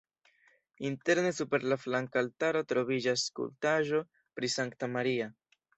Interne super la flanka altaro troviĝas skulptaĵo pri Sankta Maria.